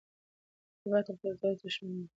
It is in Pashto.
اعتبار تر پیسو ارزښتمن دی.